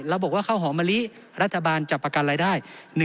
บอกว่าข้าวหอมมะลิรัฐบาลจะประกันรายได้